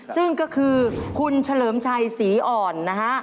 ซึ่งก็คือคุณเฉลิมชัยศรีอ่อนนะฮะ